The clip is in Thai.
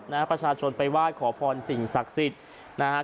นะครับประชาชนไปว่ายขอโพรสิ่งศักดิ์สิทธิ์นะครับ